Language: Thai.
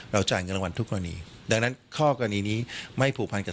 จ่ายเงินรางวัลทุกกรณีดังนั้นข้อกรณีนี้ไม่ผูกพันกับ